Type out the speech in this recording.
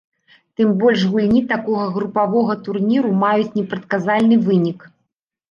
Тым больш гульні такога групавога турніру маюць непрадказальны вынік.